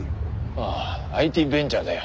ああＩＴベンチャーだよ。